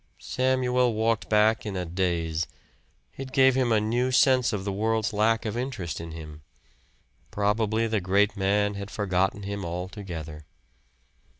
Samuel walked back in a daze. It gave him a new sense of the world's lack of interest in him. Probably the great man had forgotten him altogether.